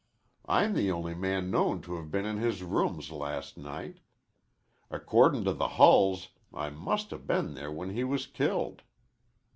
I'm the only man known to have been in his rooms last night. Accordin' to the Hulls I must 'a' been there when he was killed.